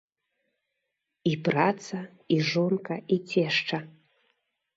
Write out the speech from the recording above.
І праца, і жонка, і цешча.